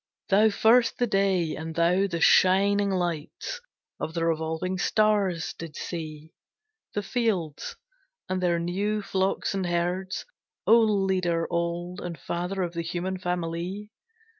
Thou first the day, and thou the shining lights Of the revolving stars didst see, the fields, And their new flocks and herds, O leader old And father of the human family!